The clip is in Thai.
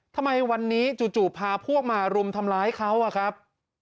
ทำไมวันนี้จู่พาพวกมารุมทำร้ายเขาอะครับ